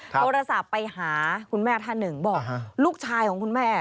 โทรศัพท์ไปหาคุณแม่ท่านหนึ่งบอกลูกชายของคุณแม่